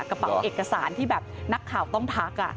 สว่างเอกสารที่นักข่าวต้องพัก